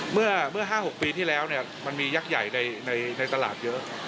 เมื่อ๕๖ปีที่แล้วมันมียักษ์ใหญ่ในตลาดเยอะ